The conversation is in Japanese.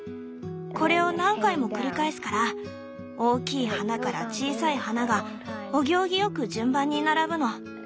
これを何回も繰り返すから大きい花から小さい花がお行儀良く順番に並ぶの。